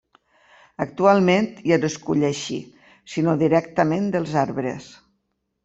Actualment ja no es cull així, sinó directament dels arbres.